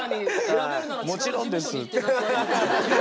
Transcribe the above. もちろんですって。